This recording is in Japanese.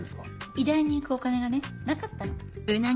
医大に行くお金がねなかったの。